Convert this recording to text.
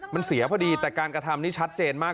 มันเสียพอดีแต่การกระทำนี่ชัดเจนมาก